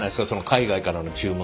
海外からの注文。